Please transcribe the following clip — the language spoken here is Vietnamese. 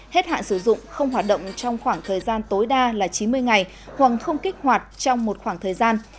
hết hạn sử dụng không hoạt động trong khoảng thời gian tối đa là chín mươi ngày hoặc không kích hoạt trong một khoảng thời gian